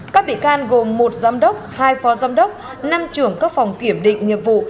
các bị can gồm một giám đốc hai phó giám đốc năm trưởng các phòng kiểm định nghiệp vụ